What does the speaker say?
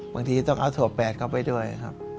บางทีต้องเอาถั่วแปดเข้าไปด้วยครับ